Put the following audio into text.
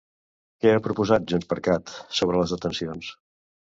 Què ha proposat JxCat sobre les detencions?